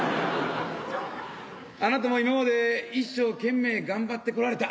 あなたも今まで一生懸命頑張ってこられた。